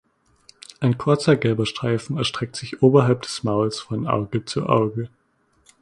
Ein kurzer gelber Streifen erstreckt sich oberhalb des Mauls von Auge zu Auge.